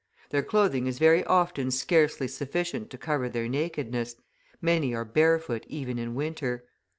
Their clothing is very often scarcely sufficient to cover their nakedness, many are barefoot even in winter.